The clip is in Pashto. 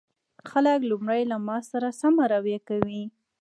خلک لومړی له ما سره سمه رويه کوي